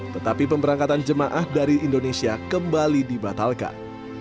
tetapi pemberangkatan jemaah dari indonesia kembali dibatalkan